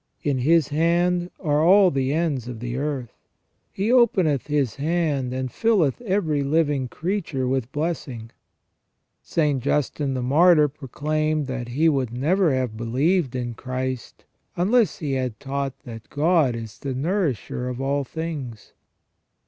" In His hand are all the ends of the earth." " He openeth His hand, and filleth every living creature with blessing." CREA TION A ND PRO VIDENCE. 97 St. Justin the Martyr proclaimed that he would never have believed in Christ unless He had taught that God is the nourisher of all things.